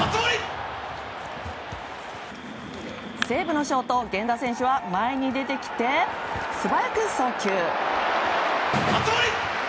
西武のショート、源田選手は前に出てきて、素早く送球。